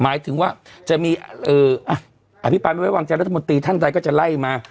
หมายถึงว่าจะมีอภิปรายไม่ไว้วางใจรัฐมนตรีท่านใดก็จะไล่มา